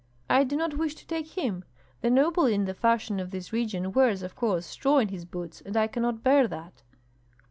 "I do not wish to take him. The noble in the fashion of this region wears, of course, straw in his boots, and I cannot bear that."